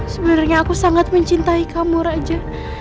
sebenarnya aku sangat mencintai kamu raja